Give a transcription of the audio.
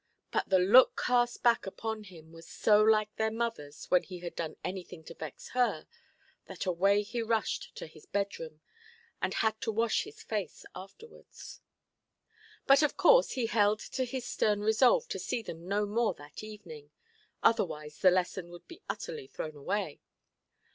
but the look cast back upon him was so like their motherʼs when he had done anything to vex her, that away he rushed to his bedroom, and had to wash his face afterwards. But, of course, he held to his stern resolve to see them no more that evening, otherwise the lesson would be utterly thrown away.